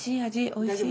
おいしい。